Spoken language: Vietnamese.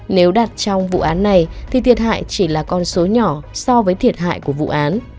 nếu đặt trong vụ án này thì thiệt hại chỉ là con số nhỏ so với thiệt hại của vụ án